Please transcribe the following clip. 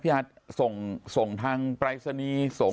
พี่ฮัทส่งทางไปรษณีย์ส่ง